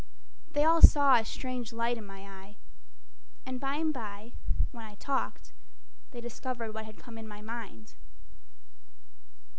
They all saw a strange light in my eye. And by and by, when I talked, they discovered What had come in my mind.